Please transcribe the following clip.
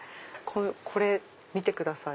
これ見てください